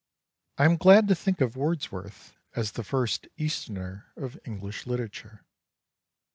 1 am glad to thiiik of xvi Foreivord Wordsworth as the first Easterner of English h'terature.